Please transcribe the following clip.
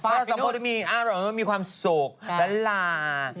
เพราะเราสองคนจะมีอร่อยมีความสุขและหลาก